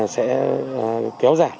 sẽ kéo giải